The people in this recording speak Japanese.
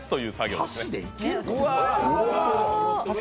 箸でいけるか？